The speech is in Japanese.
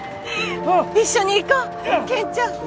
一緒に逝こう健ちゃん。